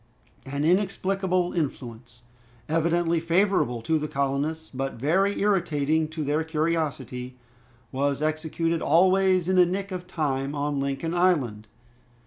An inexplicable influence, evidently favorable to the colonists, but very irritating to their curiosity, was executed always in the nick of time on Lincoln Island.